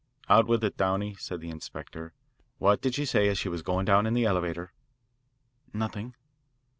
"Out with it Downey," said the inspector. "What did she say as she was going down in the elevator?" "Nothing."